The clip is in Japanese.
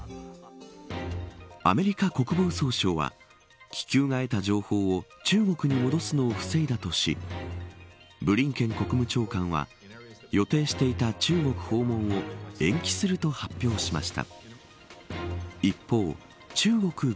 アメリカ国防総省は気球が得た情報を中国に戻すのを防いだとしブリンケン国務長官は予定していた中国訪問を延期すると発表しました。